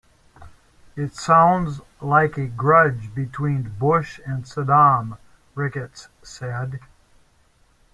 It sounds like a grudge between Bush and Saddam, Ricketts said.